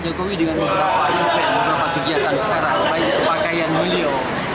dan itu ternyata sangat berlalu